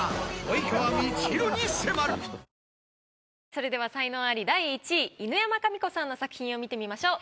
それでは才能アリ第１位犬山紙子さんの作品を見てみましょう。